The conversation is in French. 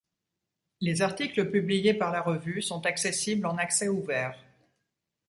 Les articles publiés par la revue sont accessibles en accès ouvert.